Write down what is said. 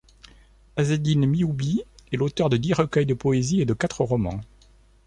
Azzedine Mihoubi est l'auteur de dix recueils de poésie et de quatre romans.